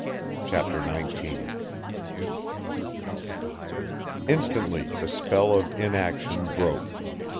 Chapter Nineteen Instantly the spell of inaction broke.